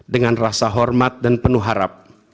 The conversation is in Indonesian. dengan rasa hormat dan penuh harap